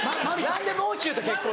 何でもう中と結婚？